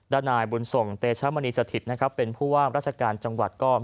ดนายบุญสงศ์เตชมณิสถิตเป็นผู้ว่างราชการจังหวัดก้อม